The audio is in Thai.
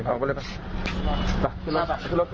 ขึ้นรถด้วย